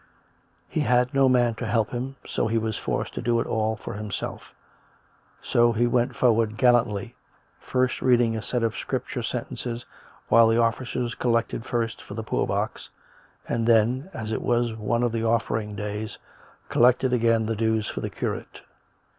He had no man to help him ; so he was forced to do it all for himself; so he went forward gallantly,, first reading a set of Scripture sentences while the officers collected first for the poor box, and then, as it was one of the offering days, collected again the dues for the curate.